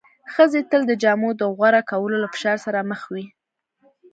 ښځې تل د جامو د غوره کولو له فشار سره مخ وې.